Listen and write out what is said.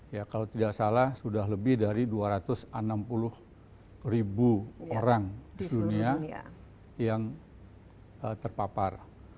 ya kalau tidak salah sudah lebih dari dua ratus enam puluh ribu orang di dunia yang terpapar